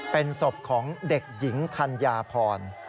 เป็นศพของเด็กหญิงธัญญาพร